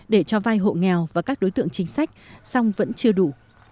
để cho vai hộ nghèo và các đối tượng chính sách song vẫn chưa đủ